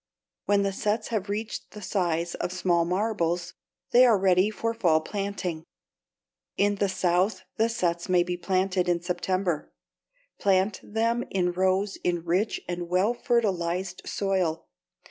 When the sets have reached the size of small marbles, they are ready for the fall planting. In the South the sets may be planted in September. Plant them in rows in rich and well fertilized soil.